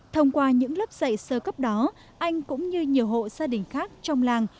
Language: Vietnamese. thông qua những lớp dạy sơ cấp đó anh cũng như nhiều hộ gia đình khác trong làng